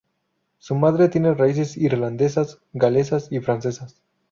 Su madre tiene raíces irlandesas, galesas y francesas.